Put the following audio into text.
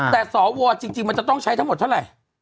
แต่สวจริงมันจะต้องใช้ทั้งหมดเท่าไหร่